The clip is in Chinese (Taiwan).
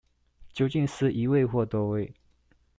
究竟是一位或多位